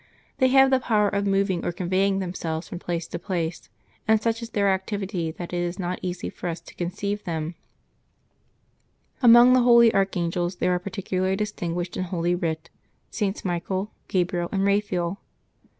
They have the power of moving or conveying themselves from place to place, and such is their activity that it is not easy for us to conceive it. Among the holy archangels, there are particularly distinguished in Holy Writ Sts. Michael, Gabriel, and Eaphael.